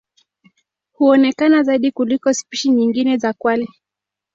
Huonekana zaidi kuliko spishi nyingine za kwale.